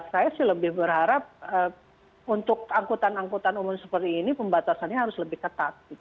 saya sih lebih berharap untuk angkutan angkutan umum seperti ini pembatasannya harus lebih ketat